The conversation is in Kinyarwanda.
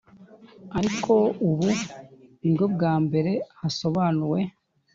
ariko ubu ni bwo bwa mbere hasobanuwe